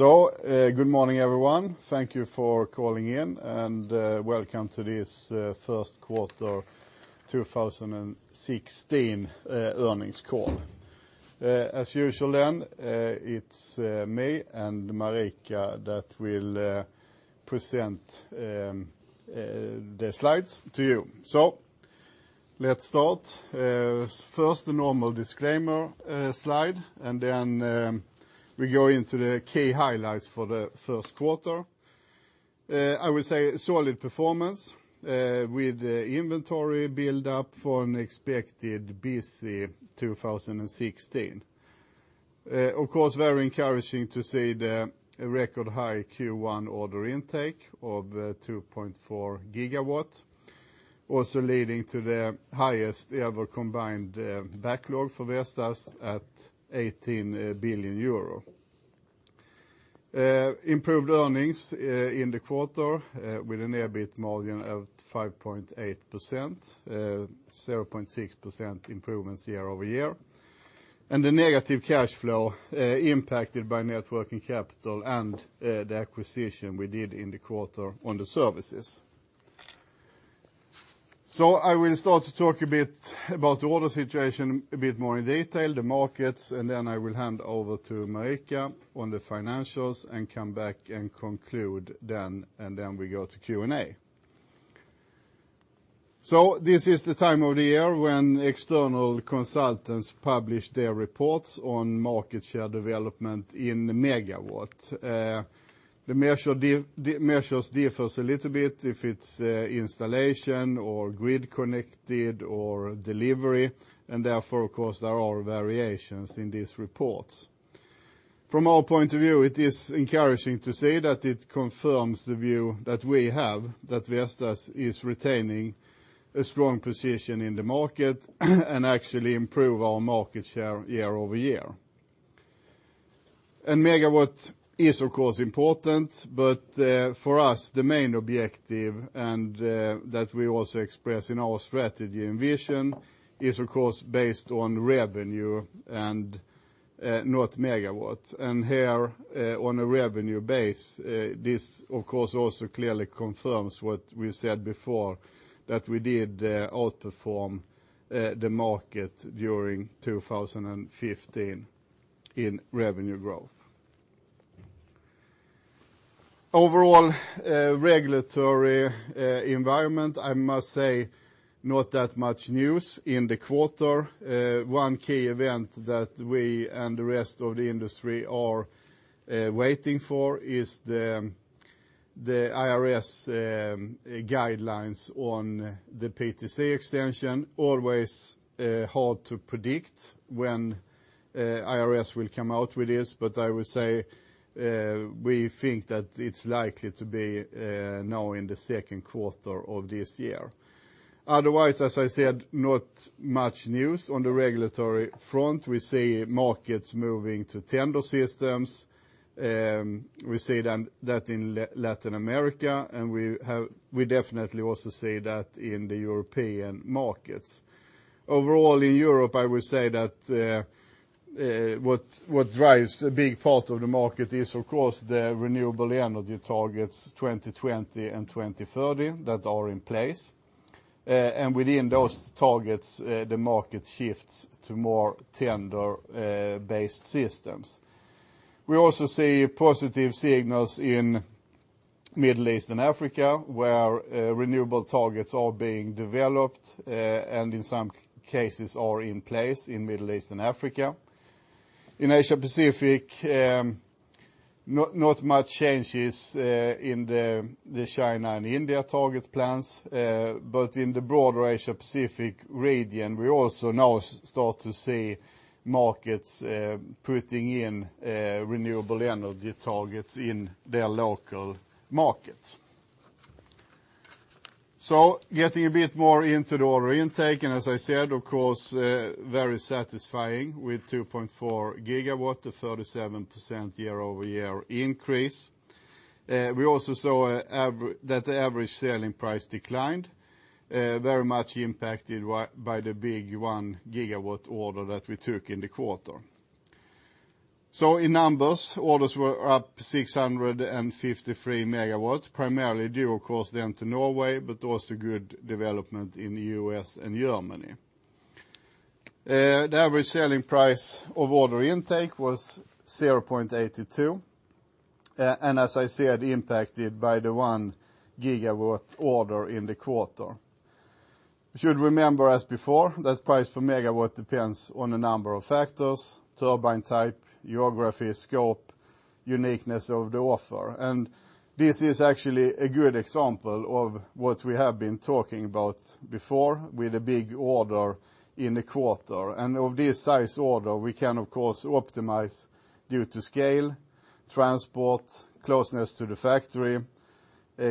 Good morning, everyone. Thank you for calling in, and welcome to this first quarter 2016 earnings call. As usual, it's me and Marika that will present the slides to you. Let's start. First, the normal disclaimer slide, and then we go into the key highlights for the first quarter. I would say solid performance with inventory build-up for an expected busy 2016. Of course, very encouraging to see the record high Q1 order intake of 2.4 GW, also leading to the highest ever combined backlog for Vestas at 18 billion euro. Improved earnings in the quarter with an EBIT margin of 5.8%, 0.6% improvements year-over-year, and a negative cash flow impacted by net working capital and the acquisition we did in the quarter on the services. I will start to talk a bit about the order situation a bit more in detail, the markets, and then I will hand over to Marika on the financials and come back and conclude, and then we go to Q&A. This is the time of the year when external consultants publish their reports on market share development in megawatts. The measures differ a little bit if it's installation or grid connected or delivery, and therefore, of course, there are variations in these reports. From our point of view, it is encouraging to see that it confirms the view that we have that Vestas is retaining a strong position in the market and actually improve our market share year-over-year. And megawatt is, of course, important, but, for us, the main objective, and that we also express in our strategy and vision, is, of course, based on revenue and not megawatts. Here, on a revenue base, this, of course, also clearly confirms what we've said before, that we did outperform the market during 2015 in revenue growth. Overall, regulatory environment, I must say, not that much news in the quarter. One key event that we and the rest of the industry are waiting for is the IRS guidelines on the PTC extension. Always hard to predict when IRS will come out with this, but I would say we think that it's likely to be now in the second quarter of this year. Otherwise, as I said, not much news on the regulatory front. We see markets moving to tender systems, we see that in Latin America, and we definitely also see that in the European markets. Overall, in Europe, I would say that what drives a big part of the market is, of course, the renewable energy targets 2020 and 2030 that are in place. Within those targets, the market shifts to more tender-based systems. We also see positive signals in Middle East and Africa, where renewable targets are being developed, and in some cases are in place in Middle East and Africa. In Asia-Pacific, not much changes in the China and India target plans. In the broader Asia-Pacific region, we also now start to see markets putting in renewable energy targets in their local markets. Getting a bit more into the order intake, and as I said, of course, very satisfying with 2.4 GW, a 37% year-over-year increase. We also saw that the average selling price declined, very much impacted by the big 1 GW order that we took in the quarter. In numbers, orders were up 653 MW, primarily due, of course, then to Norway, but also good development in the U.S. and Germany. The average selling price of order intake was 0.82, and as I said, impacted by the 1 GW order in the quarter. We should remember as before, that price per MW depends on a number of factors, turbine type, geography, scope, uniqueness of the offer. This is actually a good example of what we have been talking about before with a big order in the quarter. Of this size order, we can, of course, optimize due to scale, transport, closeness to the factory,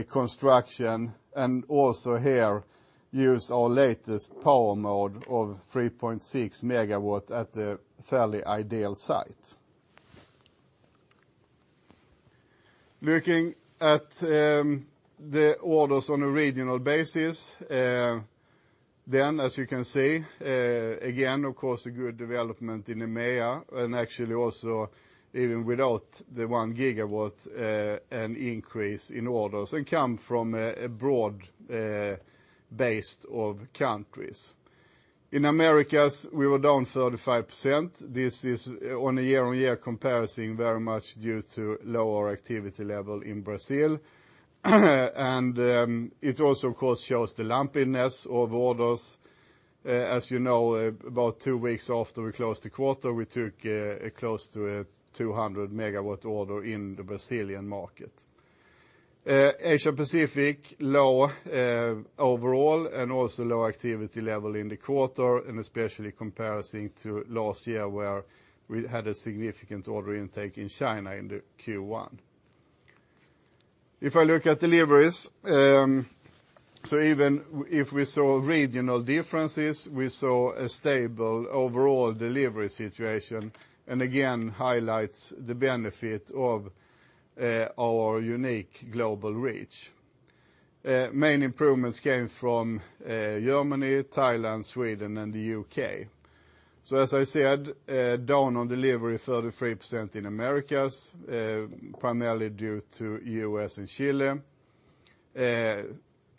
construction, and also here, use our latest power mode of 3.6 MW at the fairly ideal site. Looking at the orders on a regional basis, as you can see, again, of course, a good development in EMEA and actually also even without the 1 GW, an increase in orders come from a broad base of countries. In Americas, we were down 35%. This is on a year-on-year comparison very much due to lower activity level in Brazil. It also, of course, shows the lumpiness of orders. As you know, about two weeks after we closed the quarter, we took close to a 200 MW order in the Brazilian market. Asia Pacific, low overall and also low activity level in the quarter and especially comparison to last year where we had a significant order intake in China in the Q1. If I look at deliveries, even if we saw regional differences, we saw a stable overall delivery situation, and again highlights the benefit of our unique global reach. Main improvements came from Germany, Thailand, Sweden and the U.K. As I said, down on delivery 33% in Americas, primarily due to U.S. and Chile.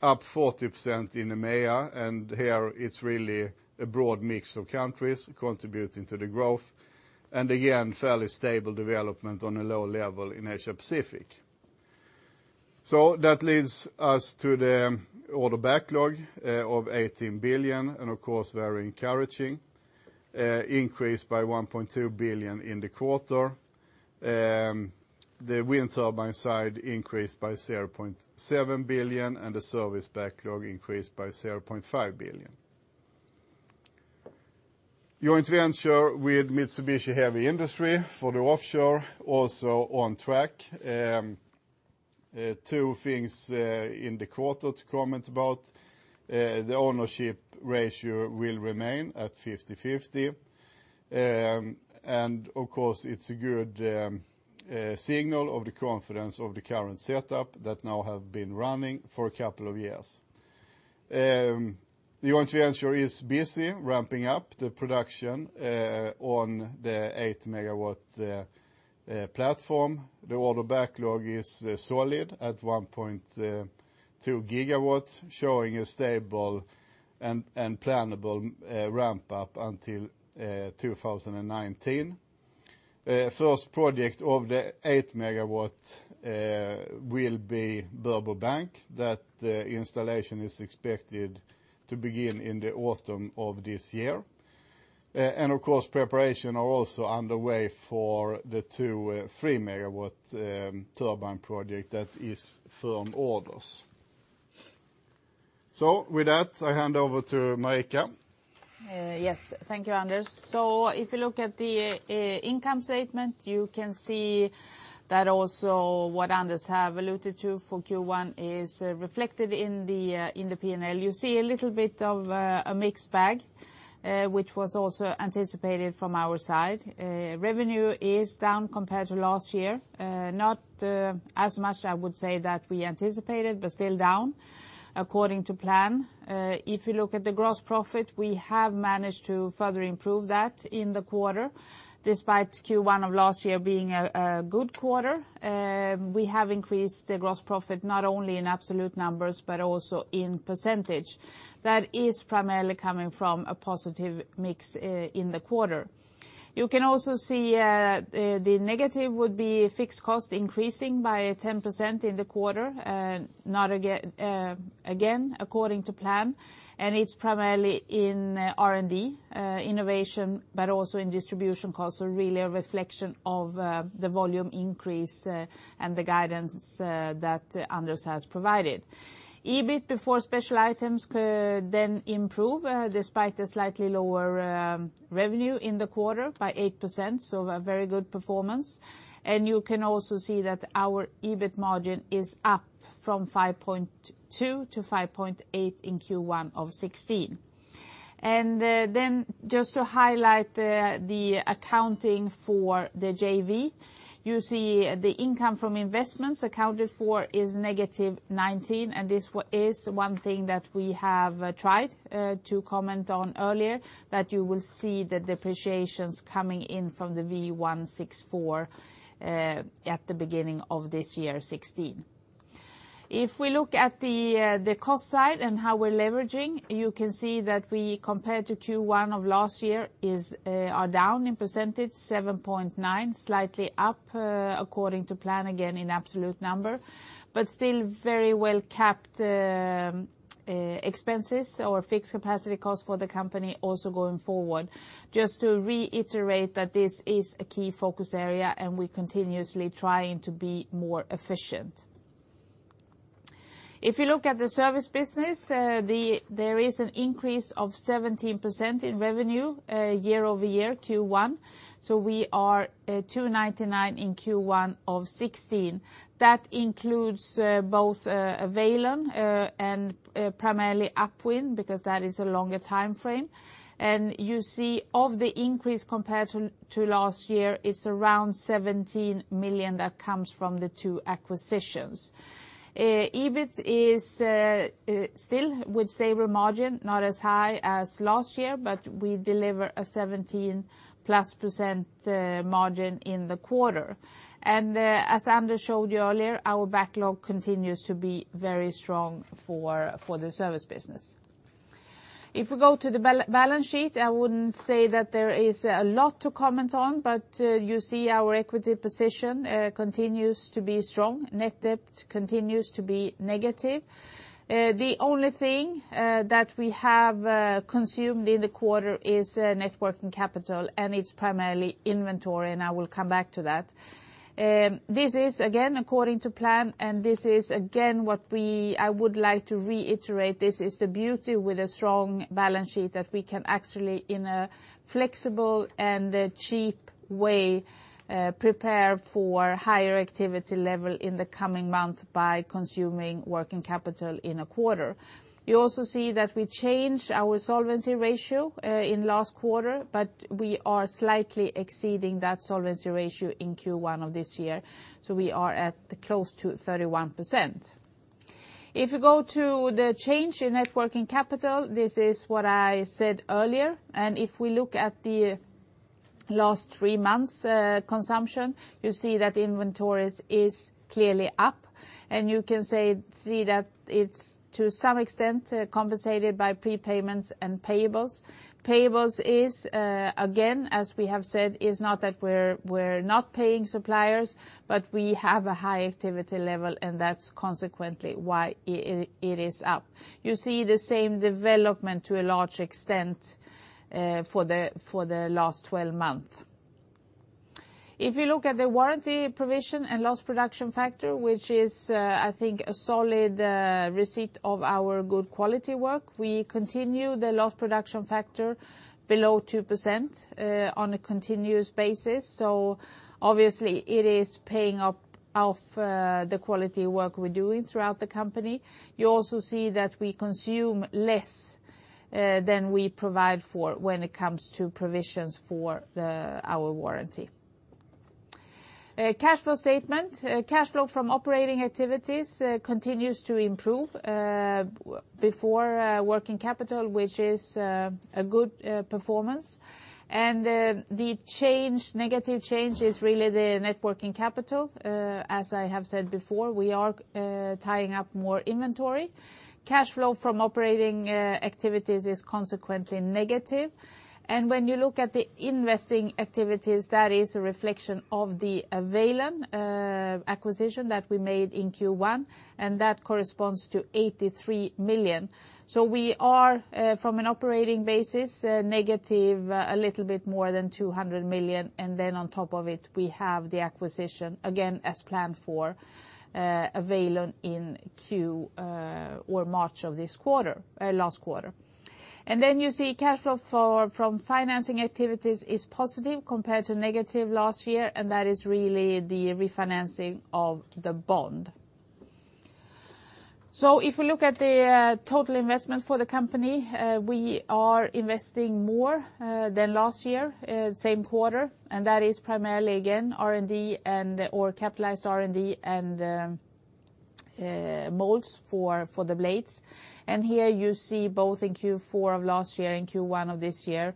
Up 40% in EMEA and here it's really a broad mix of countries contributing to the growth and again fairly stable development on a low level in Asia Pacific. That leads us to the order backlog of 18 billion and of course very encouraging, increased by 1.2 billion in the quarter. The wind turbine side increased by 0.7 billion and the service backlog increased by 0.5 billion. Joint venture with Mitsubishi Heavy Industries for the offshore also on track. Two things in the quarter to comment about. The ownership ratio will remain at 50/50. Of course it's a good signal of the confidence of the current setup that now have been running for a couple of years. The joint venture is busy ramping up the production on the 8 MW platform. The order backlog is solid at 1.2 GW, showing a stable and plannable ramp up until 2019. First project of the 8 MW will be Burbo Bank. That installation is expected to begin in the autumn of this year. Of course preparation are also underway for the two 3 MW turbine project that is firm orders. With that, I hand over to Marika. Yes, thank you, Anders. If you look at the income statement, you can see that also what Anders have alluded to for Q1 is reflected in the P&L. You see a little bit of a mixed bag, which was also anticipated from our side. Revenue is down compared to last year. Not as much I would say that we anticipated, but still down according to plan. If you look at the gross profit, we have managed to further improve that in the quarter despite Q1 of last year being a good quarter. We have increased the gross profit not only in absolute numbers, but also in percentage. That is primarily coming from a positive mix in the quarter. You can also see the negative would be fixed cost increasing by 10% in the quarter, again according to plan and it's primarily in R&D innovation but also in distribution cost. Really a reflection of the volume increase and the guidance that Anders has provided. EBIT before special items then improve despite the slightly lower revenue in the quarter by 8%, so a very good performance. And you can also see that our EBIT margin is up from 5.2 to 5.8 in Q1 of 2016. And then just to highlight the accounting for the JV. You see the income from investments accounted for is negative 19 and this is one thing that we have tried to comment on earlier, that you will see the depreciations coming in from the V164 at the beginning of this year 2016. If we look at the cost side and how we're leveraging, you can see that we compared to Q1 of last year are down in percentage 7.9, slightly up according to plan again in absolute number, but still very well kept expenses or fixed capacity cost for the company also going forward. Just to reiterate that this is a key focus area and we're continuously trying to be more efficient. If you look at the service business, there is an increase of 17% in revenue year-over-year, Q1. So we are 299 in Q1 of 2016. That includes both Vallen and primarily Upwind, because that is a longer timeframe. And you see, of the increase compared to last year, it's around 17 million that comes from the two acquisitions. EBIT is still with stable margin, not as high as last year, but we deliver a 17+% margin in the quarter. And as Anders showed you earlier, our backlog continues to be very strong for the service business. If we go to the balance sheet, I wouldn't say that there is a lot to comment on, but you see our equity position continues to be strong. Net debt continues to be negative. The only thing that we have consumed in the quarter is net working capital, and it's primarily inventory, and I will come back to that. This is, again, according to plan, and this is, again, what I would like to reiterate. This is the beauty with a strong balance sheet, that we can actually, in a flexible and cheap way, prepare for higher activity level in the coming month by consuming working capital in a quarter. You also see that we changed our solvency ratio in last quarter, but we are slightly exceeding that solvency ratio in Q1 of this year. We are at close to 31%. If you go to the change in net working capital, this is what I said earlier. If we look at the last three months consumption, you see that inventory is clearly up and you can see that it's, to some extent, compensated by prepayments and payables. Payables is, again, as we have said, is not that we're not paying suppliers, but we have a high activity level and that's consequently why it is up. You see the same development to a large extent for the last 12 months. If you look at the warranty provision and loss production factor, which is, I think, a solid receipt of our good quality work. We continue the loss production factor below 2% on a continuous basis. Obviously, it is paying off the quality work we're doing throughout the company. You also see that we consume less than we provide for when it comes to provisions for our warranty. Cash flow statement. Cash flow from operating activities continues to improve before working capital, which is a good performance. The negative change is really the net working capital. As I have said before, we are tying up more inventory. Cash flow from operating activities is consequently negative. When you look at the investing activities, that is a reflection of the Vallen acquisition that we made in Q1, and that corresponds to 83 million. We are, from an operating basis, negative a little bit more than 200 million. On top of it, we have the acquisition, again, as planned for Vallen in March of last quarter. You see cash flow from financing activities is positive compared to negative last year, and that is really the refinancing of the bond. If we look at the total investment for the company, we are investing more than last year, same quarter, and that is primarily, again, R&D or capitalized R&D and molds for the blades. Here you see both in Q4 of last year and Q1 of this year,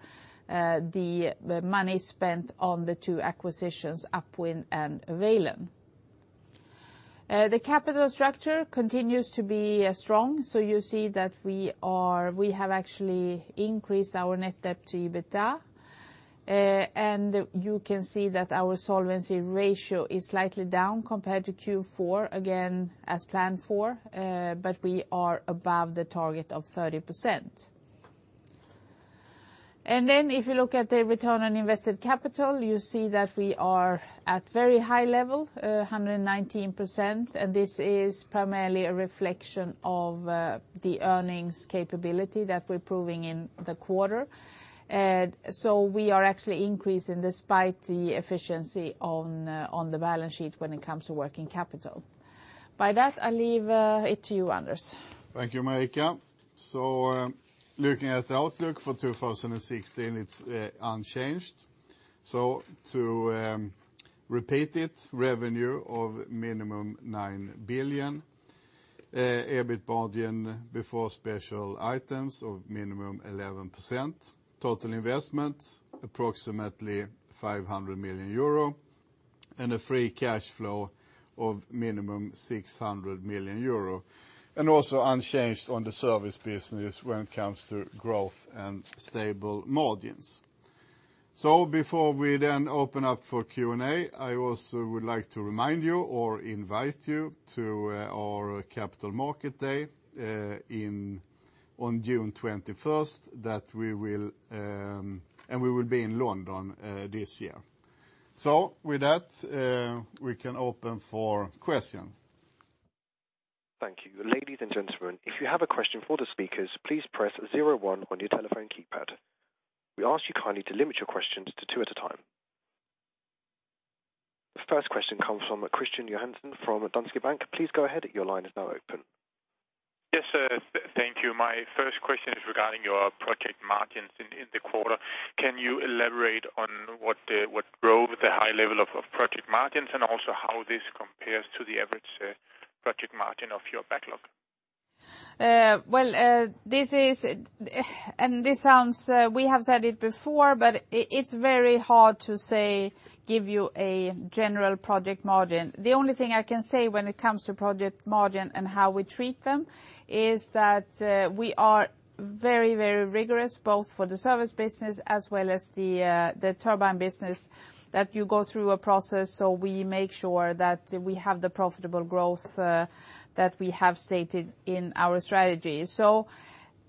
the money spent on the two acquisitions, UpWind and Vallen. The capital structure continues to be strong. You see that we have actually increased our net debt to EBITDA. You can see that our solvency ratio is slightly down compared to Q4, again, as planned for, but we are above the target of 30%. If you look at the return on invested capital, you see that we are at very high level, 119%, and this is primarily a reflection of the earnings capability that we're proving in the quarter. We are actually increasing despite the efficiency on the balance sheet when it comes to working capital. By that, I leave it to you, Anders. Thank you, Marika. Looking at the outlook for 2016, it's unchanged. To repeat it, revenue of minimum 9 billion. EBIT margin before special items of minimum 11%. Total investment, approximately 500 million euro, and a free cash flow of minimum 600 million euro. Also unchanged on the service business when it comes to growth and stable margins. Before we then open up for Q&A, I also would like to remind you or invite you to our Capital Market Day on June 21st, and we will be in London this year. With that, we can open for question. Thank you. Ladies and gentlemen, if you have a question for the speakers, please press zero one on your telephone keypad. We ask you kindly to limit your questions to two at a time. The first question comes from Christian Johansen from Danske Bank. Please go ahead. Your line is now open. Yes, sir. Thank you. My first question is regarding your project margins in the quarter. Can you elaborate on what drove the high level of project margins, and also how this compares to the average project margin of your backlog? We have said it before, but it's very hard to give you a general project margin. The only thing I can say when it comes to project margin and how we treat them is that we are very, very rigorous both for the service business as well as the turbine business, that you go through a process so we make sure that we have the profitable growth that we have stated in our strategy.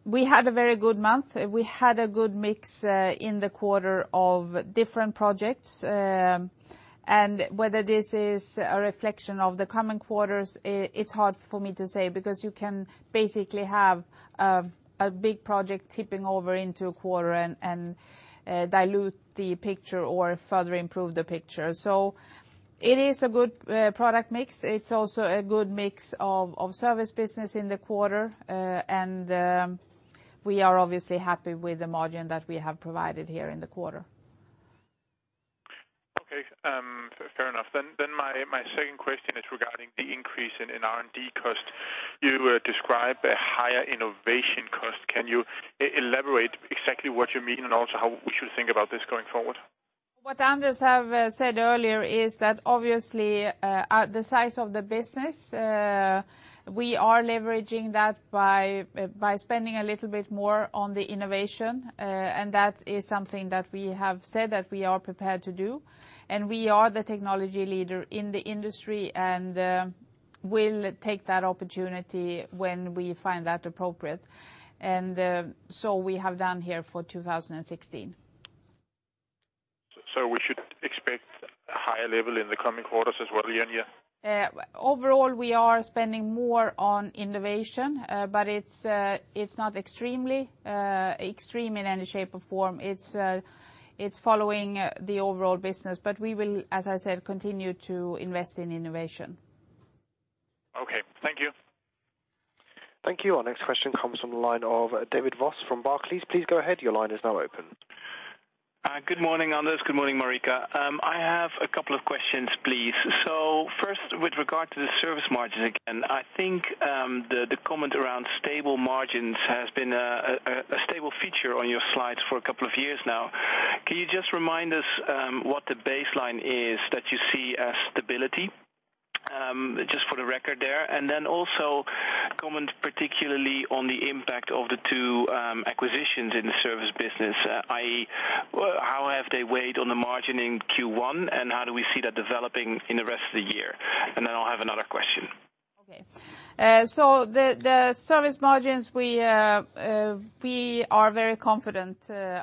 We had a very good month. We had a good mix in the quarter of different projects. And whether this is a reflection of the coming quarters, it's hard for me to say, because you can basically have a big project tipping over into a quarter and dilute the picture or further improve the picture. It is a good product mix. It's also a good mix of service business in the quarter. We are obviously happy with the margin that we have provided here in the quarter. Okay. Fair enough. My second question is regarding the increase in R&D cost. You describe a higher innovation cost. Can you elaborate exactly what you mean and also how we should think about this going forward? What Anders have said earlier is that obviously at the size of the business, we are leveraging that by spending a little bit more on the innovation. That is something that we have said that we are prepared to do, and we are the technology leader in the industry and will take that opportunity when we find that appropriate. We have done here for 2016. We should expect a higher level in the coming quarters as well then, yeah? Overall, we are spending more on innovation, but it's not extreme in any shape or form. It's following the overall business. We will, as I said, continue to invest in innovation. Okay. Thank you. Thank you. Our next question comes from the line of David Vos from Barclays. Please go ahead. Your line is now open. Good morning, Anders. Good morning, Marika. I have a couple of questions, please. First, with regard to the service margins again, I think the comment around stable margins has been a stable feature on your slides for a couple of years now. Can you just remind us what the baseline is that you see as stability? Just for the record there, and then also comment particularly on the impact of the two acquisitions in the service business, i.e., how have they weighed on the margin in Q1, and how do we see that developing in the rest of the year? Then I'll have another question. The service margins, we are very confident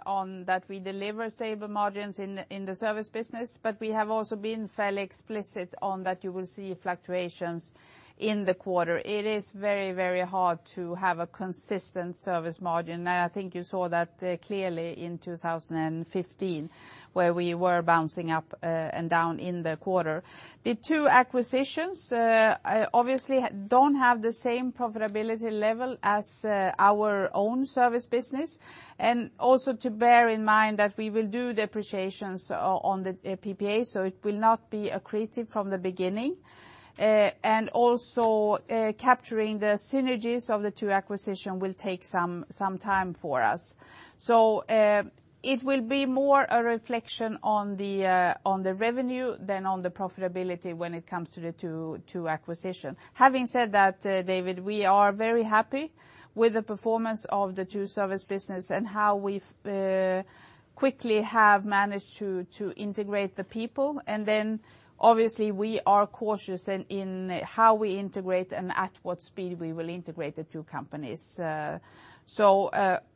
on that we deliver stable margins in the service business, we have also been fairly explicit on that you will see fluctuations in the quarter. It is very, very hard to have a consistent service margin. I think you saw that clearly in 2015, where we were bouncing up and down in the quarter. The two acquisitions obviously don't have the same profitability level as our own service business. Also to bear in mind that we will do depreciations on the PPA, so it will not be accretive from the beginning. Also capturing the synergies of the two acquisition will take some time for us. It will be more a reflection on the revenue than on the profitability when it comes to the two acquisition. Having said that, David, we are very happy with the performance of the two service business and how we've quickly have managed to integrate the people. Obviously we are cautious in how we integrate and at what speed we will integrate the two companies.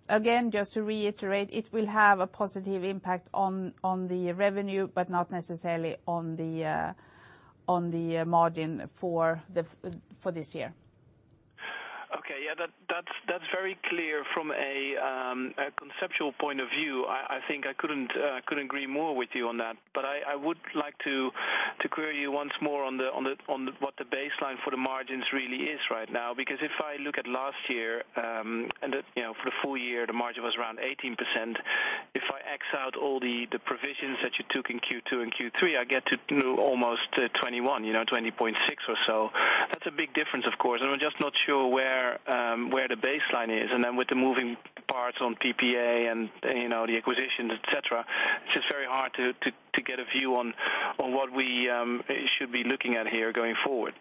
Again, just to reiterate, it will have a positive impact on the revenue, but not necessarily on the margin for this year. Okay. Yeah, that's very clear from a conceptual point of view. I think I couldn't agree more with you on that. I would like to query you once more on what the baseline for the margins really is right now. If I look at last year, for the full year, the margin was around 18%. If I X out all the provisions that you took in Q2 and Q3, I get to almost 21%, 20.6% or so. That's a big difference, of course, and I'm just not sure where the baseline is. With the moving parts on PPA and the acquisitions, et cetera, it's just very hard to get a view on what we should be looking at here going forward.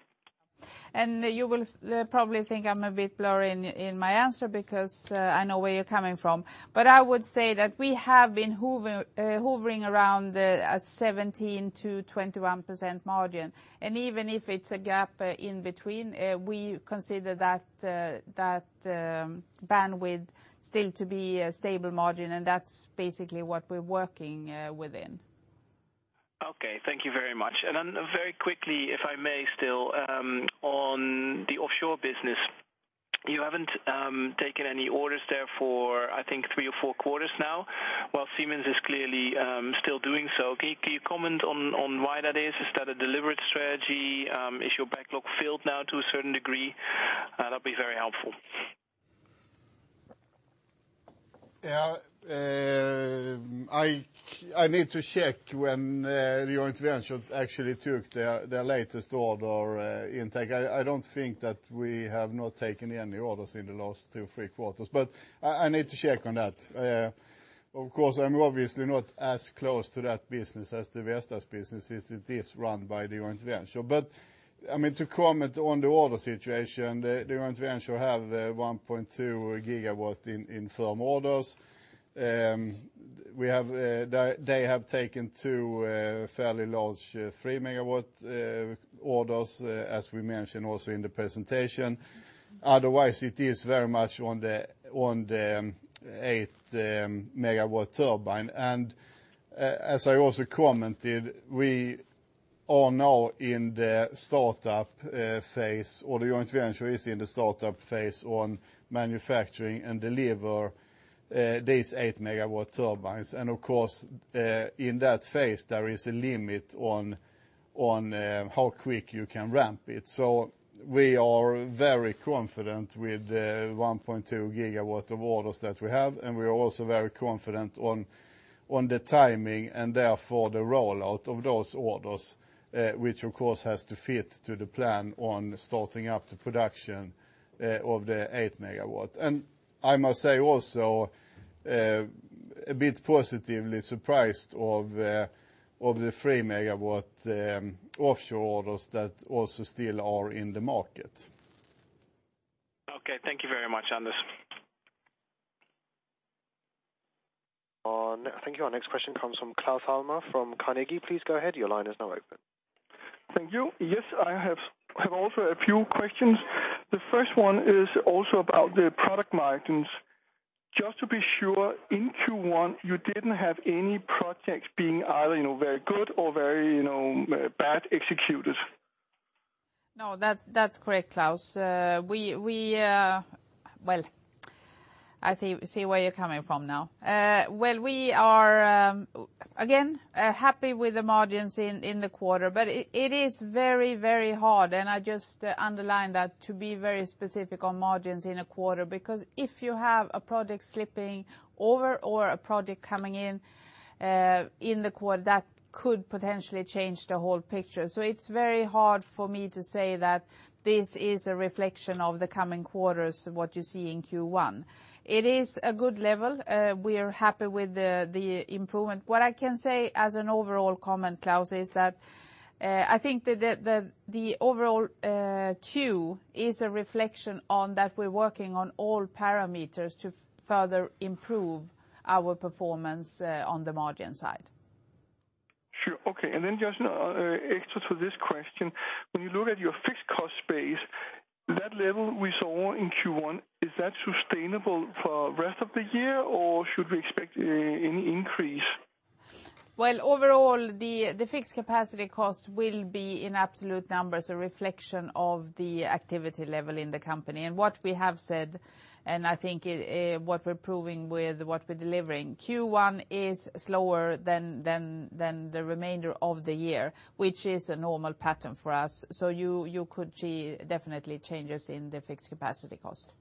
You will probably think I'm a bit blurry in my answer because I know where you're coming from. I would say that we have been hovering around a 17%-21% margin. Even if it's a gap in between, we consider that bandwidth still to be a stable margin, and that's basically what we're working within. Okay, thank you very much. Very quickly, if I may still, on the offshore business, you haven't taken any orders there for, I think, three or four quarters now, while Siemens is clearly still doing so. Can you comment on why that is? Is that a deliberate strategy? Is your backlog filled now to a certain degree? That'd be very helpful. Yeah. I need to check when the joint venture actually took their latest order intake. I don't think that we have not taken any orders in the last two, three quarters, but I need to check on that. Of course, I'm obviously not as close to that business as the Vestas business is. It is run by the joint venture. To comment on the order situation, the joint venture have 1.2 gigawatts in firm orders. They have taken two fairly large three-megawatt orders, as we mentioned also in the presentation. Otherwise, it is very much on the eight megawatt turbine. As I also commented, we are now in the startup phase, or the joint venture is in the startup phase on manufacturing and deliver these eight megawatt turbines. Of course, in that phase, there is a limit on how quick you can ramp it. We are very confident with the 1.2 gigawatt of orders that we have, and we are also very confident on the timing and therefore the rollout of those orders, which of course has to fit to the plan on starting up the production of the eight megawatt. I must say also, a bit positively surprised of the three megawatt offshore orders that also still are in the market. Okay. Thank you very much, Anders. I think our next question comes from Claus Almer from Carnegie. Please go ahead. Your line is now open. Thank you. Yes, I have also a few questions. The first one is also about the product margins. Just to be sure, in Q1, you did not have any projects being either very good or very bad executed? No, that is correct, Claus. Well, I see where you are coming from now. Well, we are, again, happy with the margins in the quarter, but it is very hard, and I just underline that to be very specific on margins in a quarter, because if you have a project slipping over or a project coming in the quarter, that could potentially change the whole picture. It is very hard for me to say that this is a reflection of the coming quarters, what you see in Q1. It is a good level. We are happy with the improvement. What I can say as an overall comment, Claus, is that I think that the overall view is a reflection on that we are working on all parameters to further improve our performance on the margin side. Sure. Okay. Just extra to this question, when you look at your fixed cost base, that level we saw in Q1, is that sustainable for rest of the year, or should we expect any increase? Overall, the fixed capacity cost will be, in absolute numbers, a reflection of the activity level in the company. What we have said, and I think what we're proving with what we're delivering, Q1 is slower than the remainder of the year, which is a normal pattern for us. You could see definitely changes in the fixed capacity cost.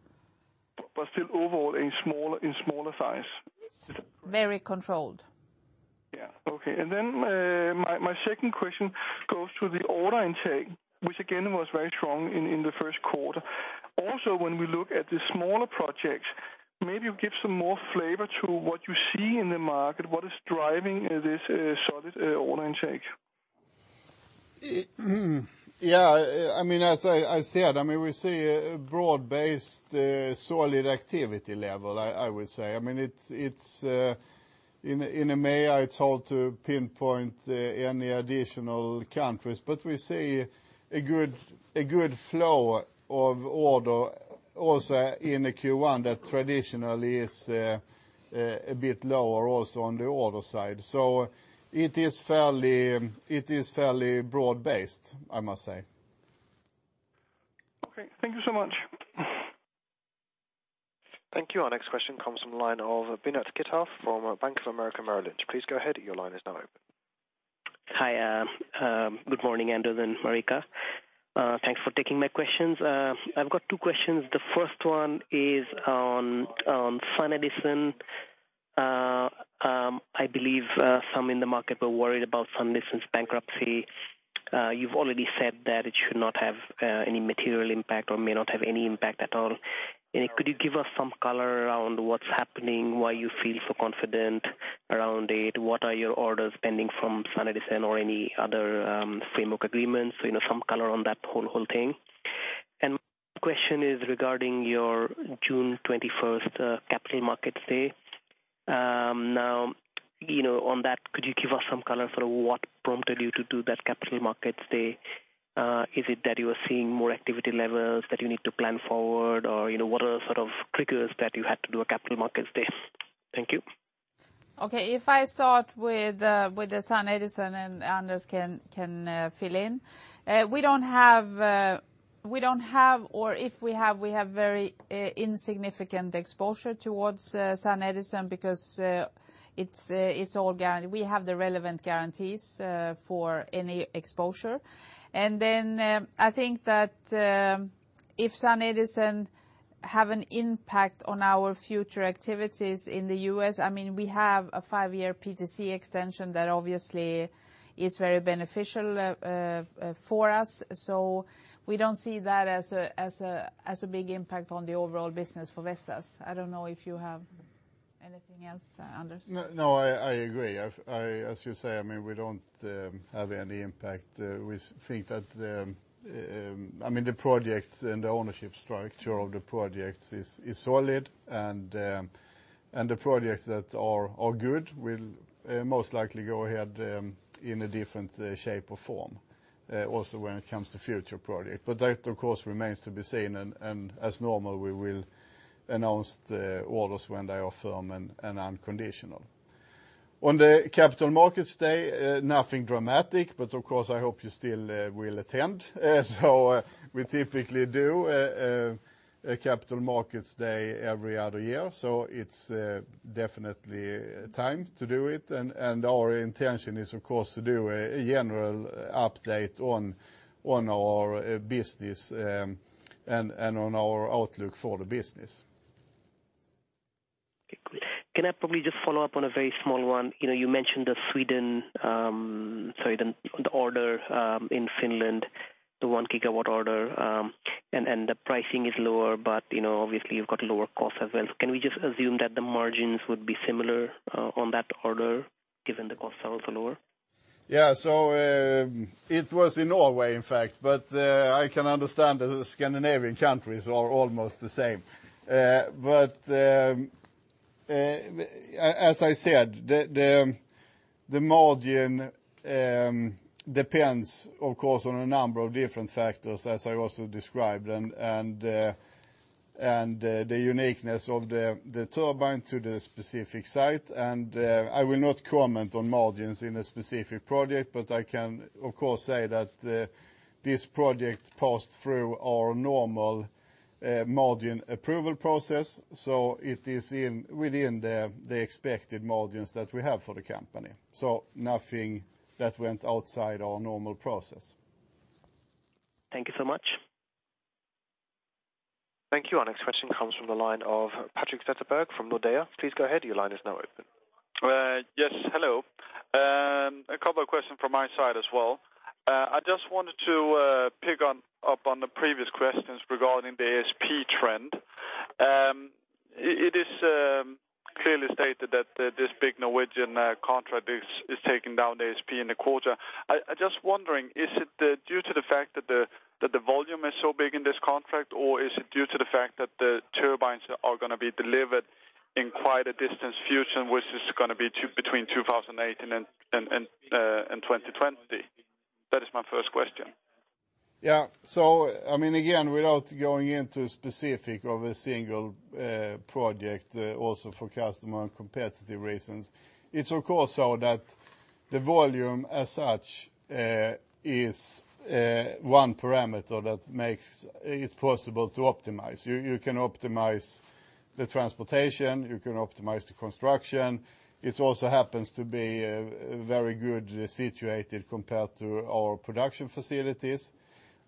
Still overall in smaller size? Very controlled. Yeah. Okay. My second question goes to the order intake, which again, was very strong in the first quarter. Also, when we look at the smaller projects, maybe you give some more flavor to what you see in the market. What is driving this solid order intake? Yeah. As I said, we see a broad-based, solid activity level, I would say. In EMEA, it's hard to pinpoint any additional countries. We see a good flow of order also in Q1 that traditionally is a bit lower also on the order side. It is fairly broad-based, I must say. Okay. Thank you so much. Thank you. Our next question comes from the line of Pinaki Das from Bank of America Merrill Lynch. Please go ahead. Your line is now open. Hi. Good morning, Anders and Marika. Thanks for taking my questions. I've got two questions. The first one is on SunEdison. I believe some in the market were worried about SunEdison's bankruptcy. You've already said that it should not have any material impact or may not have any impact at all. Could you give us some color around what's happening, why you feel so confident around it? What are your orders pending from SunEdison or any other framework agreements? Some color on that whole thing. My second question is regarding your June 21st Capital Markets Day. On that, could you give us some color for what prompted you to do that Capital Markets Day? Is it that you are seeing more activity levels that you need to plan forward? What are the sort of triggers that you had to do a Capital Markets Day? Thank you. Okay. If I start with SunEdison and Anders can fill in. We don't have, or if we have, we have very insignificant exposure towards SunEdison, because we have the relevant guarantees for any exposure. Then I think that if SunEdison have an impact on our future activities in the U.S., we have a 5-year PTC extension that obviously is very beneficial for us. We don't see that as a big impact on the overall business for Vestas. I don't know if you have anything else, Anders. No, I agree. As you say, we don't have any impact. The projects and the ownership structure of the projects is solid, and the projects that are good will most likely go ahead in a different shape or form, also when it comes to future projects. That, of course, remains to be seen, and as normal, we will announce the orders when they are firm and unconditional. On the Capital Markets Day, nothing dramatic, but of course, I hope you still will attend. We typically do a Capital Markets Day every other year, so it's definitely time to do it. Our intention is, of course, to do a general update on our business and on our outlook for the business. Okay, great. Can I probably just follow up on a very small one? You mentioned the Sweden, sorry, the order in Finland, the one gigawatt order, and the pricing is lower, but obviously you've got lower cost as well. Can we just assume that the margins would be similar on that order given the costs are also lower? Yeah. It was in Norway, in fact, I can understand that the Scandinavian countries are almost the same. As I said, the margin depends, of course, on a number of different factors, as I also described, and the uniqueness of the turbine to the specific site. I will not comment on margins in a specific project, but I can of course say that this project passed through our normal margin approval process. It is within the expected margins that we have for the company. Nothing that went outside our normal process. Thank you so much. Thank you. Our next question comes from the line of Patrik Zetterberg from Nordea. Please go ahead. Your line is now open. Yes, hello. A couple of questions from my side as well. I just wanted to pick up on the previous questions regarding the ASP trend. It is clearly stated that this big Norwegian contract is taking down the ASP in the quarter. I just wondering, is it due to the fact that the volume is so big in this contract, or is it due to the fact that the turbines are going to be delivered in quite a distant future, which is going to be between 2018 and 2020? That is my first question. Yeah. Again, without going into specific of a single project, also for customer and competitive reasons, it's of course so that the volume as such is one parameter that makes it possible to optimize. You can optimize the transportation, you can optimize the construction. It also happens to be very good situated compared to our production facilities.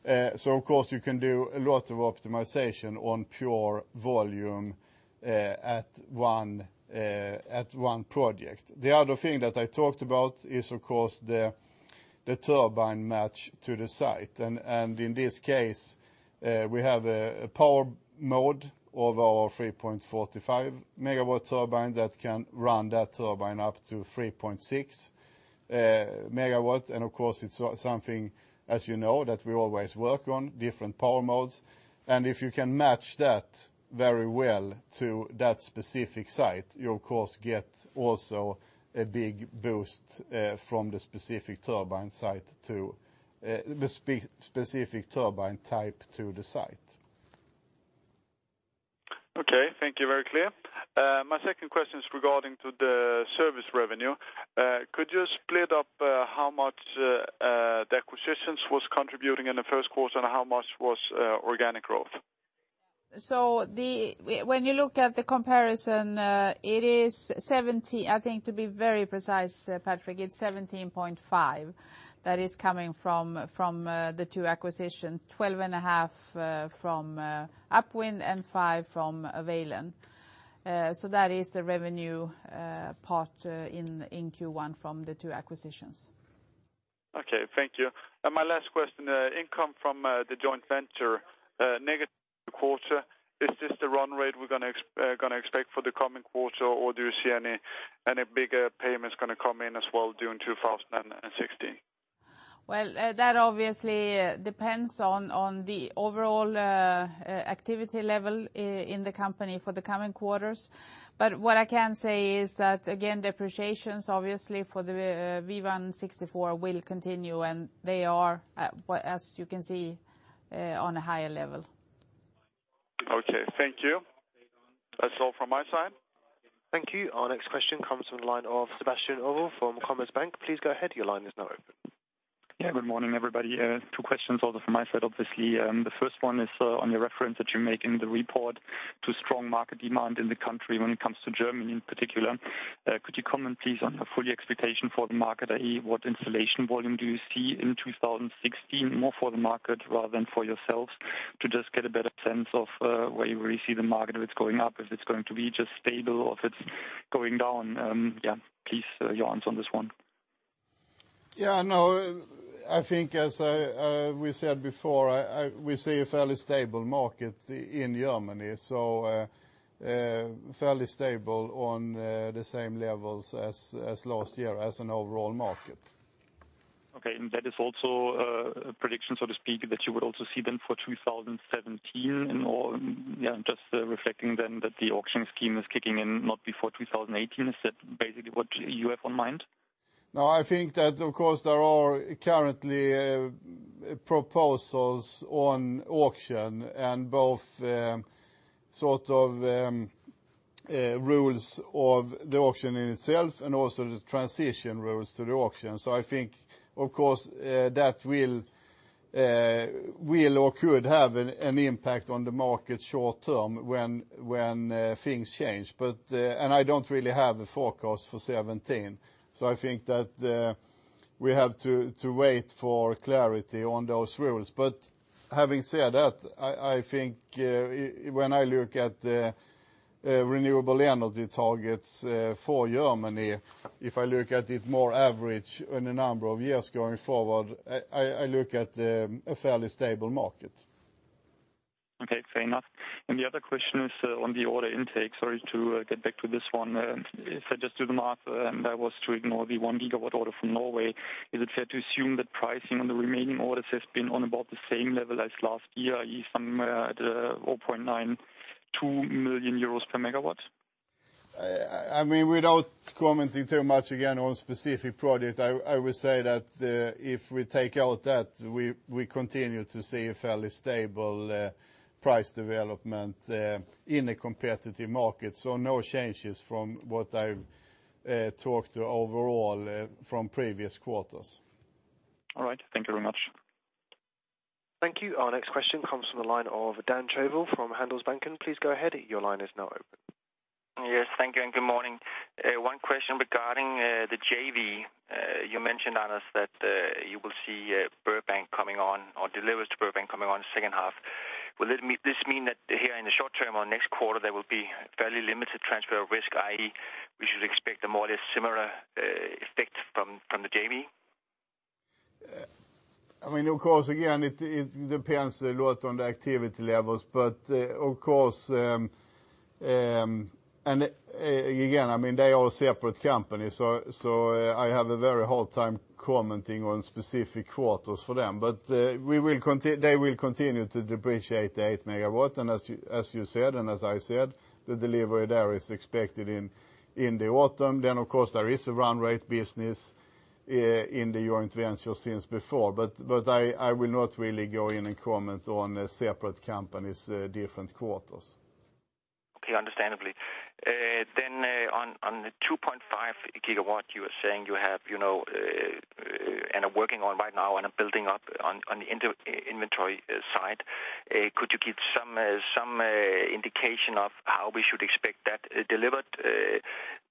Of course, you can do a lot of optimization on pure volume at one project. The other thing that I talked about is, of course, the turbine match to the site. In this case, we have a power mode of our 3.45 MW turbine that can run that turbine up to 3.6 MW. Of course, it's something, as you know, that we always work on, different power modes. If you can match that very well to that specific site, you of course get also a big boost from the specific turbine type to the site. Okay, thank you. Very clear. My second question is regarding to the service revenue. Could you split up how much the acquisitions was contributing in the first quarter and how much was organic growth? When you look at the comparison, I think to be very precise, Patrik, it's 17.5 that is coming from the two acquisition, 12 and a half from UpWind and 5 from Vallen. That is the revenue part in Q1 from the two acquisitions. Okay, thank you. My last question, income from the joint venture, negative quarter. Is this the run rate we're going to expect for the coming quarter or do you see any bigger payments going to come in as well during 2016? Well, that obviously depends on the overall activity level in the company for the coming quarters. What I can say is that again, depreciations obviously for the V164 will continue and they are, as you can see, on a higher level. Okay, thank you. That's all from my side. Thank you. Our next question comes from the line of Sebastian Growe from Commerzbank. Please go ahead. Your line is now open. Yeah, good morning, everybody. Two questions from my side, obviously. The first one is on the reference that you make in the report to strong market demand in the country when it comes to Germany in particular. Could you comment, please, on your full year expectation for the market? i.e., what installation volume do you see in 2016, more for the market rather than for yourselves, to just get a better sense of where you really see the market, if it's going up, if it's going to be just stable or if it's going down? Yeah, please, your answer on this one. Yeah, I think as we said before, we see a fairly stable market in Germany. Fairly stable on the same levels as last year as an overall market. Okay, that is also a prediction, so to speak, that you would also see then for 2017 and, or, yeah, just reflecting then that the auction scheme is kicking in not before 2018. Is that basically what you have on mind? I think that, of course, there are currently proposals on auction and both sort of rules of the auction in itself and also the transition rules to the auction. I think, of course, that will or could have an impact on the market short term when things change. I don't really have a forecast for 2017. I think that we have to wait for clarity on those rules. Having said that, I think when I look at the renewable energy targets for Germany, if I look at it more average in a number of years going forward, I look at a fairly stable market. Okay, fair enough. The other question is on the order intake, sorry to get back to this one. If I just do the math, and I was to ignore the 1 gigawatt order from Norway, is it fair to assume that pricing on the remaining orders has been on about the same level as last year, i.e., from the 0.92 million euros per megawatt? Without commenting too much again on specific projects, I would say that if we take out that, we continue to see a fairly stable price development in a competitive market. No changes from what I've talked overall from previous quarters. All right. Thank you very much. Thank you. Our next question comes from the line of Dan Chavel from Handelsbanken. Please go ahead. Your line is now open. Thank you and good morning. One question regarding the JV. You mentioned, Anders, that you will see Burbo Bank coming on or deliveries to Burbo Bank coming on in the second half. Will this mean that here in the short term or next quarter, there will be fairly limited transfer of risk, i.e., we should expect a more or less similar effect from the JV? Again, it depends a lot on the activity levels. Again, they are a separate company, so I have a very hard time commenting on specific quarters for them. They will continue to depreciate the 8 MW, and as you said, and as I said, the delivery there is expected in the autumn. Of course, there is a run rate business in the joint venture since before. I will not really go in and comment on separate companies' different quarters. Okay, understandably. On the 2.5 GW you are saying you have, and are working on right now and are building up on the inventory side, could you give some indication of how we should expect that delivered?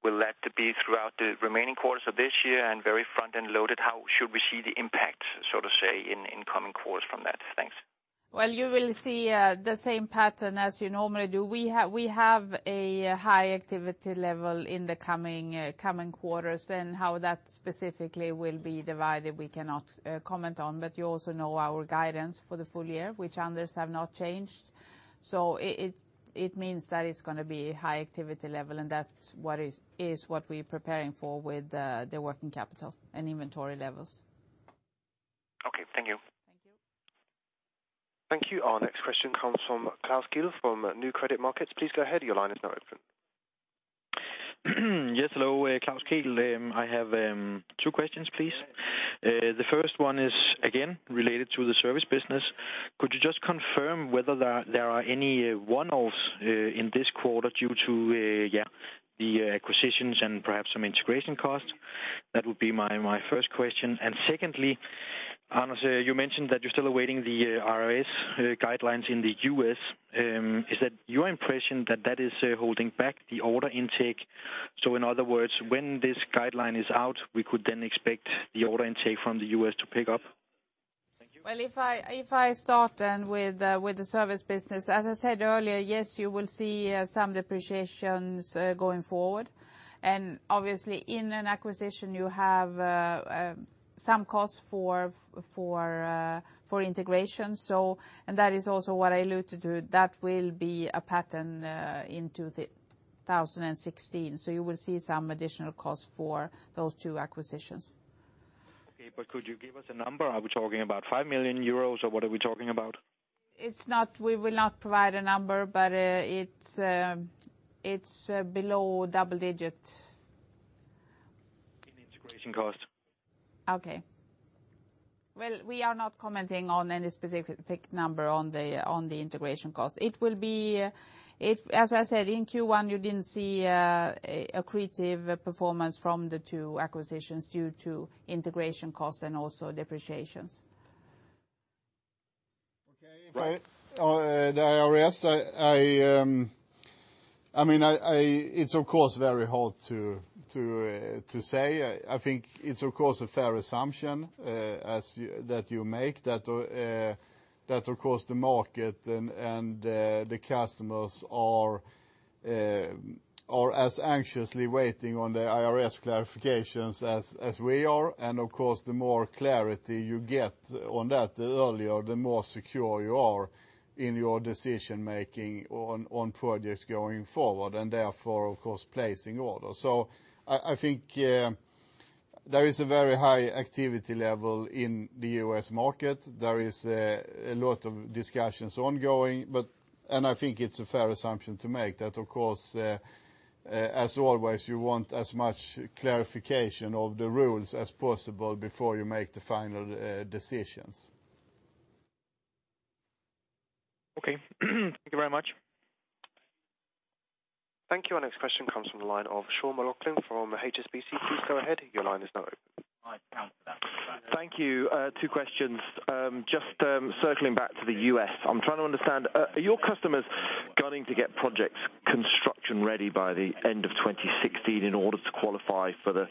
Will that be throughout the remaining quarters of this year and very front-end loaded? How should we see the impact, so to say, in coming quarters from that? Thanks. Well, you will see the same pattern as you normally do. We have a high activity level in the coming quarters. How that specifically will be divided, we cannot comment on. You also know our guidance for the full year, which Anders have not changed. It means that it's going to be high activity level, and that is what we're preparing for with the working capital and inventory levels. Okay. Thank you. Thank you. Thank you. Our next question comes from Klaus Kehl from New Credit Markets. Please go ahead. Your line is now open. Yes, hello. Klaus Kehl. I have two questions, please. Yes. The first one is again related to the service business. Could you just confirm whether there are any one-offs in this quarter due to the acquisitions and perhaps some integration costs? That would be my first question. Secondly, Anders, you mentioned that you're still awaiting the IRS guidelines in the U.S. Is that your impression that that is holding back the order intake? In other words, when this guideline is out, we could then expect the order intake from the U.S. to pick up? Thank you. If I start then with the service business, as I said earlier, yes, you will see some depreciations going forward. Obviously, in an acquisition, you have some cost for integration, and that is also what I alluded to. That will be a pattern in 2016. You will see some additional costs for those two acquisitions. Okay, could you give us a number? Are we talking about 5 million euros or what are we talking about? We will not provide a number, but it's below double digits. Integration cost. Okay. Well, we are not commenting on any specific number on the integration cost. As I said, in Q1, you didn't see accretive performance from the two acquisitions due to integration costs and also depreciations. Okay. The IRS, it's, of course, very hard to say. I think it's a fair assumption that you make that, of course, the market and the customers are as anxiously waiting on the IRS clarifications as we are. Of course, the more clarity you get on that, the earlier, the more secure you are in your decision-making on projects going forward, and therefore, of course, placing orders. I think there is a very high activity level in the U.S. market. There is a lot of discussions ongoing, and I think it's a fair assumption to make that, of course, as always, you want as much clarification of the rules as possible before you make the final decisions. Okay. Thank you very much. Thank you. Our next question comes from the line of Sean McLoughlin from HSBC. Please go ahead. Your line is now open. Thank you. Two questions. Circling back to the U.S., I'm trying to understand, are your customers gunning to get projects construction-ready by the end of 2016 in order to qualify for the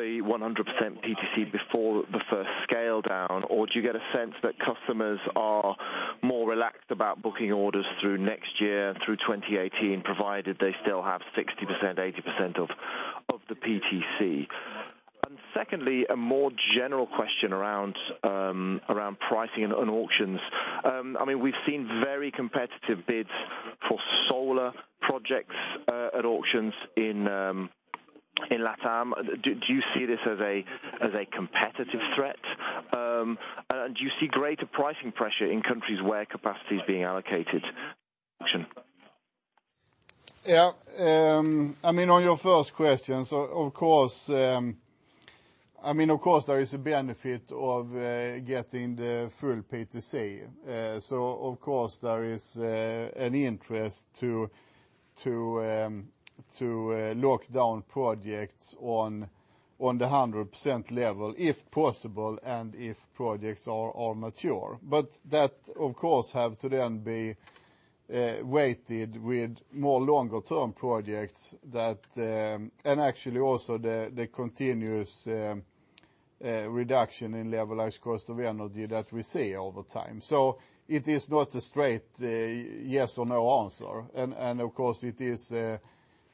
100% PTC before the first scale-down? Or do you get a sense that customers are more relaxed about booking orders through next year and through 2018, provided they still have 60%, 80% of the PTC? Secondly, a more general question around pricing and auctions. We've seen very competitive bids for solar projects at auctions in LATAM. Do you see this as a competitive threat? Do you see greater pricing pressure in countries where capacity is being allocated auction? Yeah. On your first question, of course, there is a benefit of getting the full PTC. Of course, there is an interest to lock down projects on the 100% level if possible, and if projects are mature. That, of course, have to then be weighted with more longer-term projects, and actually, also the continuous reduction in levelized cost of energy that we see over time. It is not a straight yes or no answer. Of course,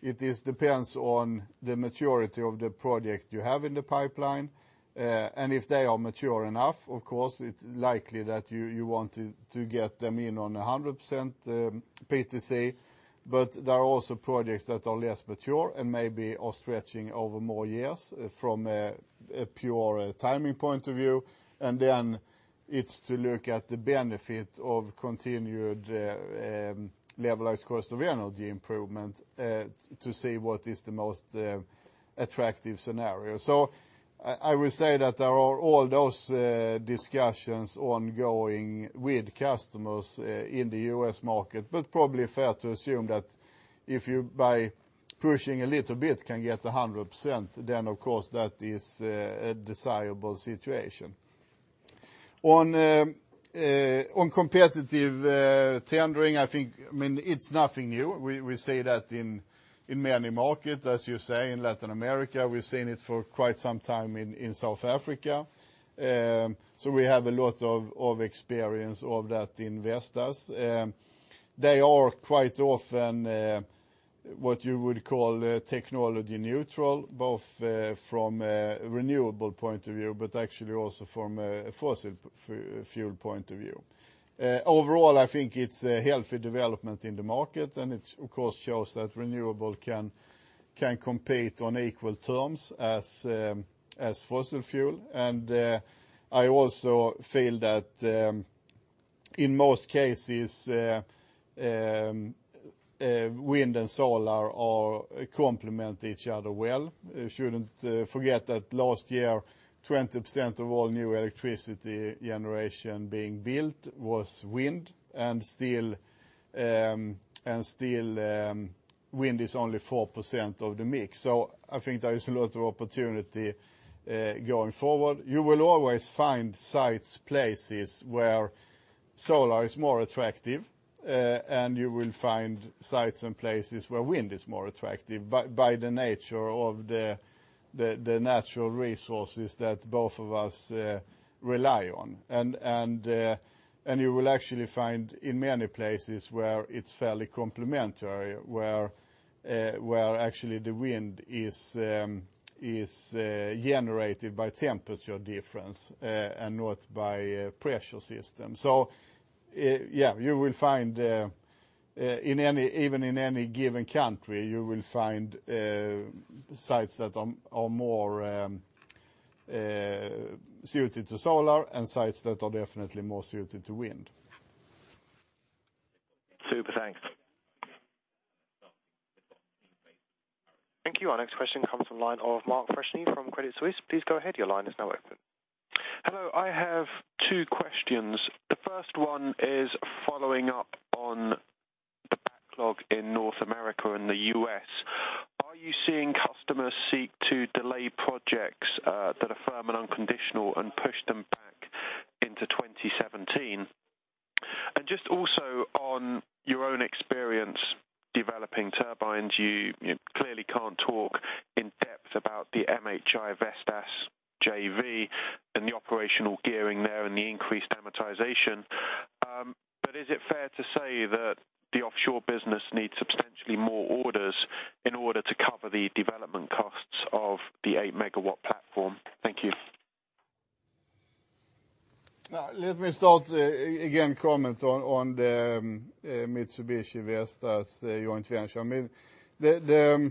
it depends on the maturity of the project you have in the pipeline. If they are mature enough, of course, it's likely that you want to get them in on 100% PTC. But there are also projects that are less mature and maybe are stretching over more years from a pure timing point of view. It's to look at the benefit of continued levelized cost of energy improvement, to see what is the most attractive scenario. I will say that there are all those discussions ongoing with customers in the U.S. market, but probably fair to assume that if you, by pushing a little bit, can get 100%, then, of course, that is a desirable situation. On competitive tendering, it's nothing new. We see that in many markets, as you say, in Latin America. We've seen it for quite some time in South Africa. We have a lot of experience of that in Vestas. They are quite often what you would call technology neutral, both from a renewable point of view, but actually also from a fossil fuel point of view. Overall, I think it's a healthy development in the market, and it, of course, shows that renewable can compete on equal terms as fossil fuel. I also feel that, in most cases, wind and solar complement each other well. You shouldn't forget that last year, 20% of all new electricity generation being built was wind, and still wind is only 4% of the mix. I think there is a lot of opportunity going forward. You will always find sites, places where solar is more attractive, and you will find sites and places where wind is more attractive by the nature of the natural resources that both of us rely on. You will actually find in many places where it's fairly complementary, where actually the wind is generated by temperature difference and not by pressure system. yeah, even in any given country, you will find sites that are more suited to solar and sites that are definitely more suited to wind. Thanks. Thank you. Our next question comes from the line of Mark Freshney from Credit Suisse. Please go ahead. Your line is now open. Hello. I have two questions. The first one is following up on the backlog in North America and the U.S. Are you seeing customers seek to delay projects that are firm and unconditional and push them back into 2017? Just also on your own experience developing turbines, you clearly can't talk in depth about the MHI Vestas JV and the operational gearing there and the increased amortization. Is it fair to say that the offshore business needs substantially more orders in order to cover the development costs of the 8 MW platform? Thank you. Let me start, again, comment on the Mitsubishi Vestas joint venture. The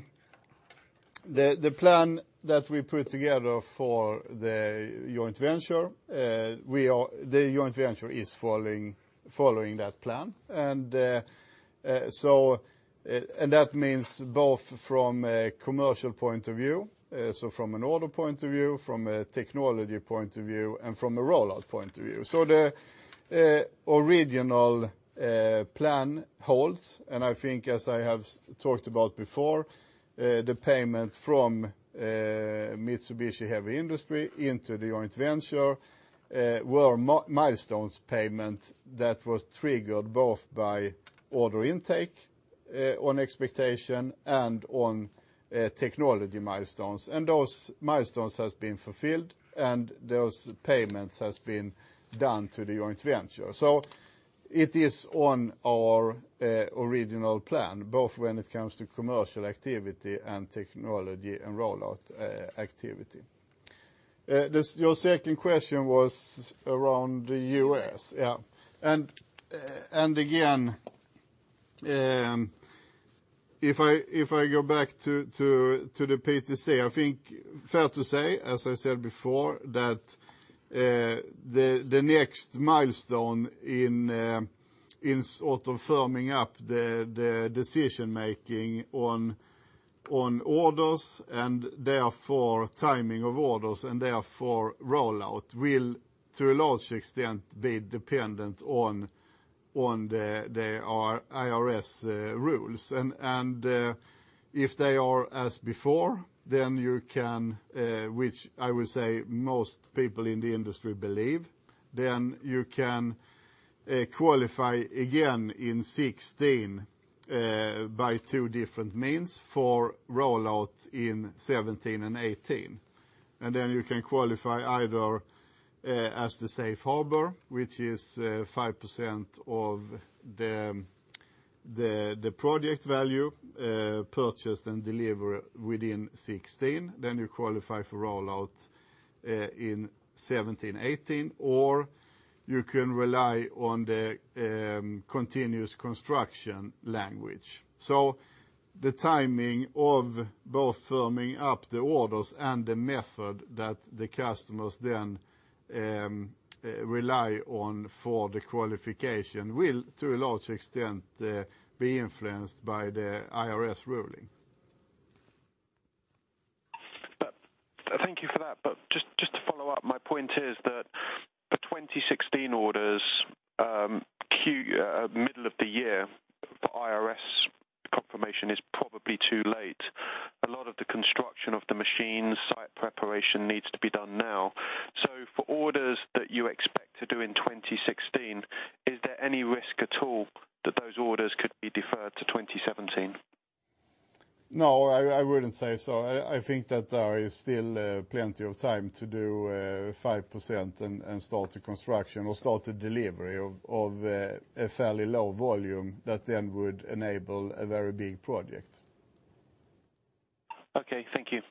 plan that we put together for the joint venture, the joint venture is following that plan. That means both from a commercial point of view, from an order point of view, from a technology point of view, and from a rollout point of view. The original plan holds, and I think as I have talked about before, the payment from Mitsubishi Heavy Industries into the joint venture, were milestones payment that was triggered both by order intake on expectation and on technology milestones. Those milestones has been fulfilled, and those payments has been done to the joint venture. It is on our original plan, both when it comes to commercial activity and technology and rollout activity. Your second question was around the U.S. Yeah. Again, if I go back to the PTC, I think fair to say, as I said before, that the next milestone in sort of firming up the decision-making on orders and therefore timing of orders and therefore rollout will to a large extent be dependent on the IRS rules. If they are as before, which I would say most people in the industry believe, then you can qualify again in 2016 by two different means for rollout in 2017 and 2018. Then you can qualify either as the safe harbor, which is 5% of the project value, purchased and delivered within 2016. Then you qualify for rollout in 2017, 2018, or you can rely on the continuous construction language. The timing of both firming up the orders and the method that the customers then rely on for the qualification will to a large extent be influenced by the IRS ruling. Thank you for that. Just to follow up, my point is that for 2016 orders, middle of the year, the IRS confirmation is probably too late. A lot of the construction of the machine site preparation needs to be done now. For orders that you expect to do in 2016, is there any risk at all that those orders could be deferred to 2017? No, I wouldn't say so. I think that there is still plenty of time to do 5% and start the construction or start the delivery of a fairly low volume that then would enable a very big project. Okay. Thank you.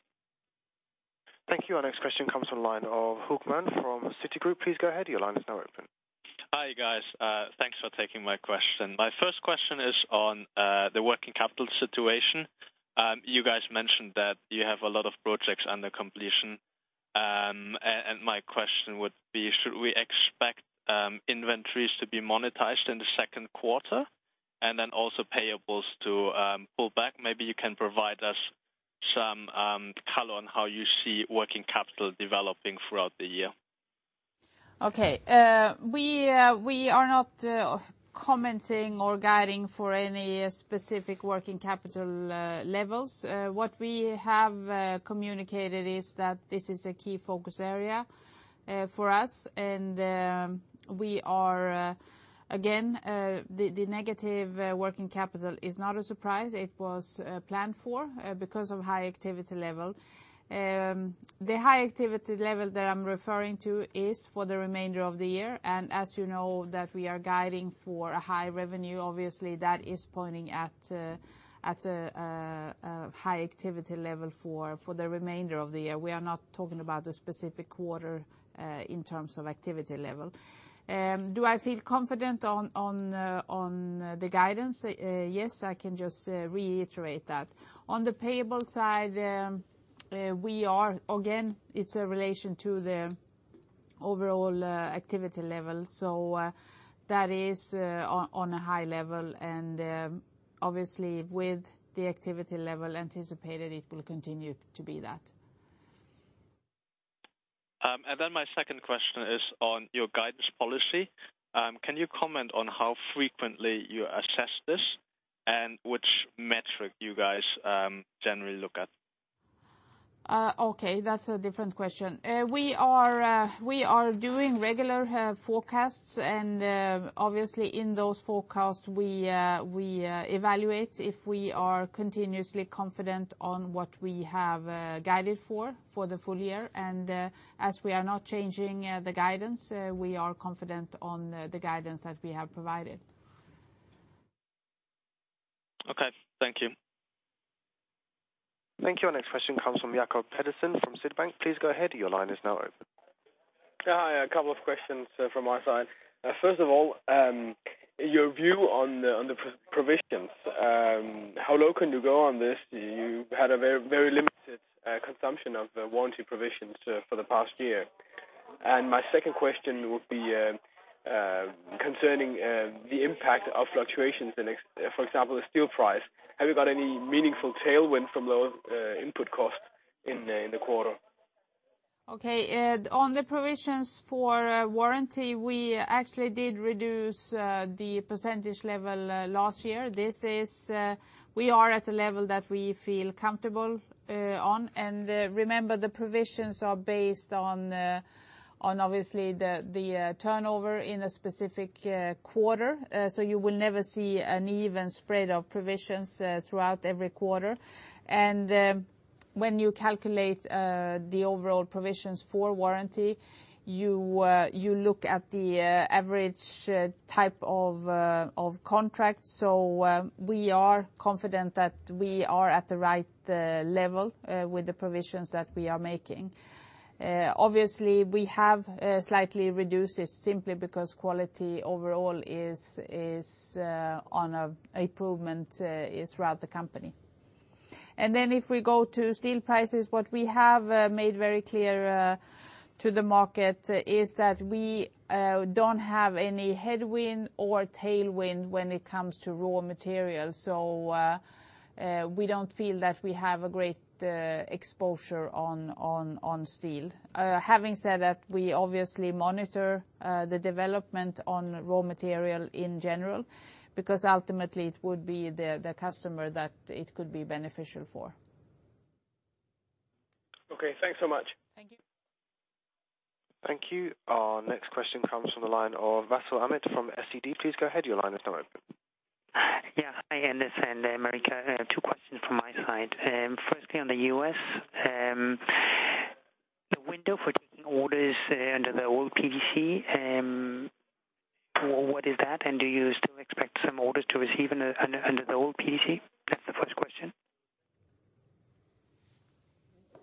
Thank you. Our next question comes from the line of Casper Blom from Citigroup. Please go ahead. Your line is now open. Hi, guys. Thanks for taking my question. My first question is on the working capital situation. You guys mentioned that you have a lot of projects under completion. My question would be, should we expect inventories to be monetized in the second quarter and then also payables to pull back? Maybe you can provide us some color on how you see working capital developing throughout the year. Okay. We are not commenting or guiding for any specific working capital levels. What we have communicated is that this is a key focus area for us. Again, the negative working capital is not a surprise. It was planned for because of high activity level. The high activity level that I'm referring to is for the remainder of the year. As you know that we are guiding for a high revenue, obviously, that is pointing at a high activity level for the remainder of the year. We are not talking about the specific quarter, in terms of activity level. Do I feel confident on the guidance? Yes, I can just reiterate that. On the payable side, again, it's a relation to the overall activity level. That is on a high level, and obviously with the activity level anticipated, it will continue to be that. My second question is on your guidance policy. Can you comment on how frequently you assess this and which metric you guys generally look at? Okay. That's a different question. We are doing regular forecasts, and obviously in those forecasts we evaluate if we are continuously confident on what we have guided for the full year. As we are not changing the guidance, we are confident on the guidance that we have provided. Okay. Thank you. Thank you. Our next question comes from Jacob Pedersen from Sydbank. Please go ahead. Your line is now open. Hi. A couple of questions from my side. First of all, your view on the provisions, how low can you go on this? You had a very limited consumption of the warranty provisions for the past year. My second question would be concerning the impact of fluctuations in, for example, the steel price. Have you got any meaningful tailwind from low input costs in the quarter? Okay. On the provisions for warranty, we actually did reduce the percentage level last year. We are at a level that we feel comfortable on. Remember, the provisions are based on, obviously, the turnover in a specific quarter. You will never see an even spread of provisions throughout every quarter. When you calculate the overall provisions for warranty, you look at the average type of contract. We are confident that we are at the right level with the provisions that we are making. Obviously, we have slightly reduced it simply because quality overall is on improvement throughout the company. If we go to steel prices, what we have made very clear to the market is that we don't have any headwind or tailwind when it comes to raw materials, so we don't feel that we have a great exposure on steel. Having said that, we obviously monitor the development on raw material in general, because ultimately it would be the customer that it could be beneficial for. Okay. Thanks so much. Thank you. Thank you. Our next question comes from the line of Akshat Kedia from SCD. Please go ahead. Your line is now open. Yeah. Hi Anders and Marika. Two questions from my side. Firstly, on the U.S., the window for taking orders under the old PTC, what is that, and do you still expect some orders to receive under the old PTC? That's the first question.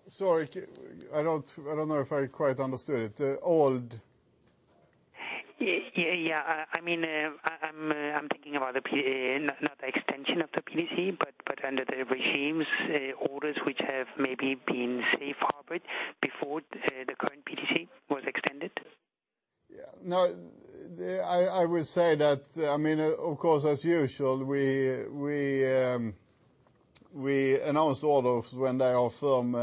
Sorry, I don't know if I quite understood it. The old? Yeah. I'm thinking about not the extension of the PTC, but under the regimes orders which have maybe been safe harbored before the current PTC was extended. Yeah. No. I would say that, of course, as usual, we announce orders when they are firm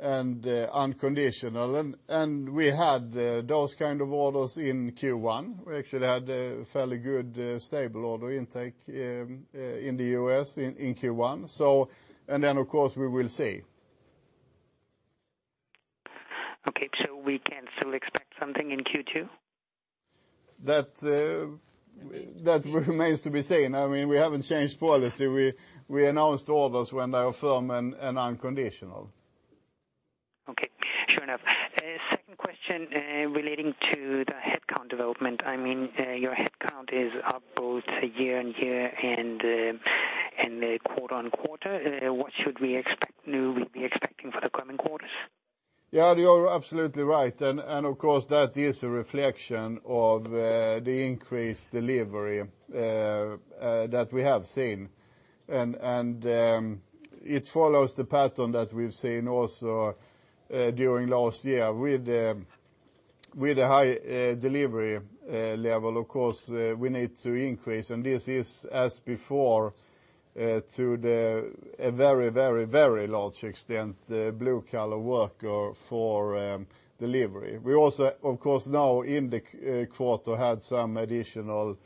and unconditional, and we had those kind of orders in Q1. We actually had a fairly good, stable order intake in the U.S. in Q1. Then, of course, we will see. Okay, we can still expect something in Q2? That remains to be seen. We haven't changed policy. We announce orders when they are firm and unconditional. Okay. Sure enough. Second question relating to the headcount development. Your headcount is up both year-on-year and quarter-on-quarter. What should we be expecting for the coming quarters? Yeah, you're absolutely right. Of course, that is a reflection of the increased delivery that we have seen. It follows the pattern that we've seen also during last year with a high delivery level. Of course, we need to increase, and this is, as before, to a very large extent, the blue-collar worker for delivery. We also, of course, now in the quarter, had some additional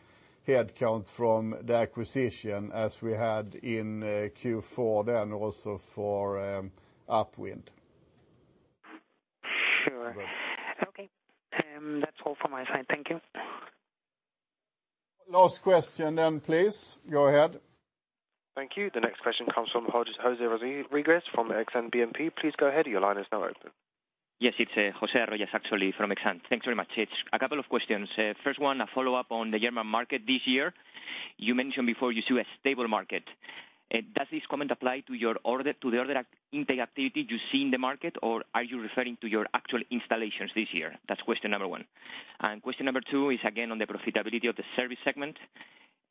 headcount from the acquisition as we had in Q4 also for Upwind. Sure. Okay. That's all from my side. Thank you. Last question then, please. Go ahead. Thank you. The next question comes from Josefin Eva from Exane BNP. Please go ahead. Your line is now open. Yes, it's Josefin Eva, actually from Exane. Thanks very much. It's a couple of questions. First one, a follow-up on the German market this year. You mentioned before you see a stable market. Does this comment apply to the order intake activity you see in the market, or are you referring to your actual installations this year? That's question number one. Question number two is again on the profitability of the service segment.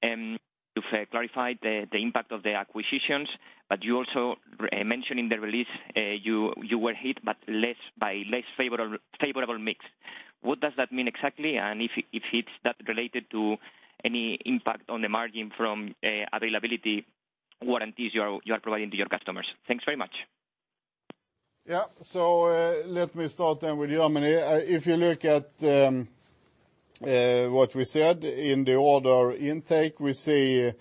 You've clarified the impact of the acquisitions, but you also mentioned in the release you were hit, but by less favorable mix. What does that mean exactly? If it's that related to any impact on the margin from availability warranties you are providing to your customers. Thanks very much. Let me start then with Germany. If you look at what we said in the order intake, we see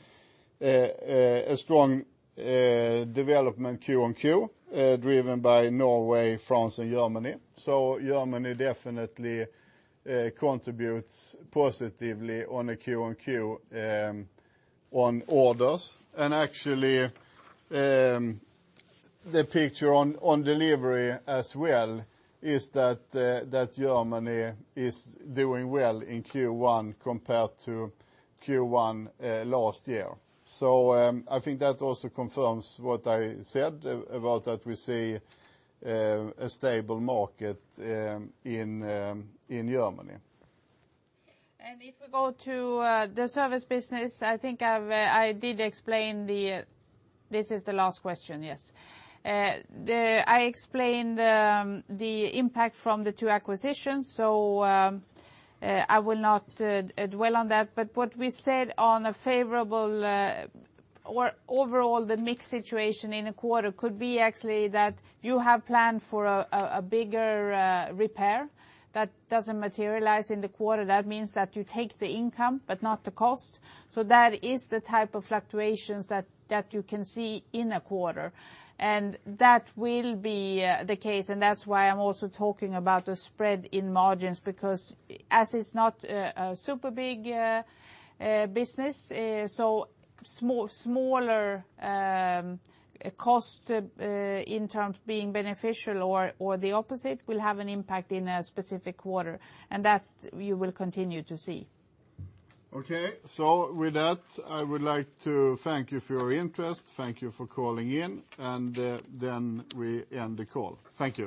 a strong development Q on Q, driven by Norway, France, and Germany. Germany definitely contributes positively on a Q on Q on orders. Actually, the picture on delivery as well is that Germany is doing well in Q1 compared to Q1 last year. I think that also confirms what I said about that we see a stable market in Germany. If we go to the service business, This is the last question, yes. I explained the impact from the two acquisitions, I will not dwell on that, but what we said on a favorable or overall the mix situation in a quarter could be actually that you have planned for a bigger repair that doesn't materialize in the quarter. That means that you take the income but not the cost. That is the type of fluctuations that you can see in a quarter, and that will be the case, and that's why I'm also talking about the spread in margins because as it's not a super big business, smaller cost in terms being beneficial or the opposite will have an impact in a specific quarter, and that you will continue to see. Okay. With that, I would like to thank you for your interest. Thank you for calling in. We end the call. Thank you.